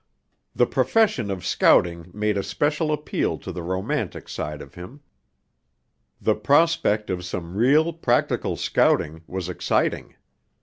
The profession of scouting made a special appeal to the romantic side of him; the prospect of some real, practical scouting was exciting.